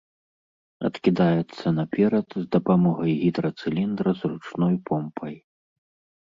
Адкідаецца наперад з дапамогай гідрацыліндра з ручной помпай.